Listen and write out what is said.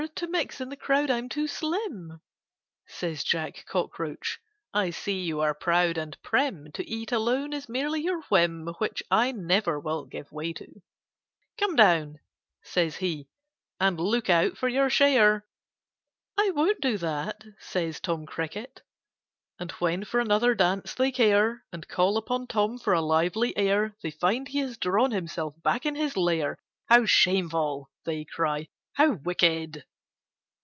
to mix in the crowd I'm too slim." Says Jack Cockroach, "I see you are proud and prim; To eat alone is merely your whim, Which I never will give way to!" "Come down," says he, "and look out for your share!" "I won't do that," says Tom Cricket. And when for another dance they care, And call upon Tom for a lively air, They find he has drawn himself back in his lair. "How shameful," they cry, "How wicked!"